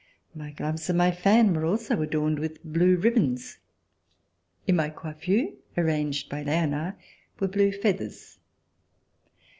My gloves and my fan were also adorned with blue ribbons. In my coiflFure, arranged by Leonard, were blue feathers.